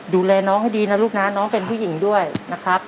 ดูแลน้องให้ดีนะลูกนะน้องเป็นผู้หญิงด้วยนะครับ